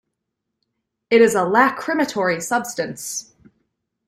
It is a lachrymatory substance.